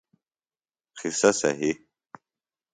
قصہ صہی